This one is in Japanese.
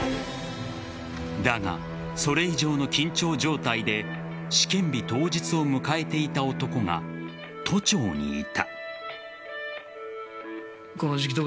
だが、それ以上の緊張状態で試験日当日を迎えていた男が都庁にいた。